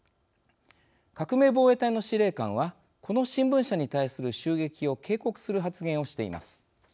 革命防衛隊の司令官はこの新聞社に対する襲撃を警告する発言をしています。